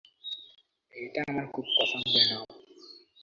এইটা আমার খুব পছন্দের নাম।